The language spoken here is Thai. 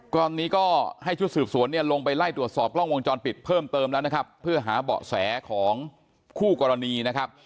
ตอนนี้ก็ให้ชุดสืบสวนเนี่ยลงไปไล่ตรวจสอบกล้องวงจรปิดเพิ่มเติมแล้วนะครับเพื่อหาเบาะแสของคู่กรณีนะครับ